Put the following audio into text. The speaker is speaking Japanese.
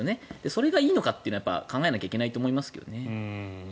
それがいいのかというのは考えなきゃいけないと思いますけどね。